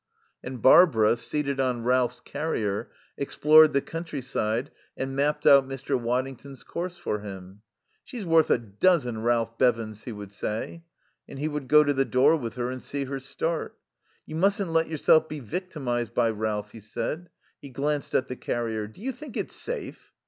And Barbara, seated on Ralph's carrier, explored the countryside and mapped out Mr. Waddington's course for him. "She's worth a dozen Ralph Bevins," he would say. And he would go to the door with her and see her start. "You mustn't let yourself be victimized by Ralph," he said. He glanced at the carrier. "Do you think it's safe?"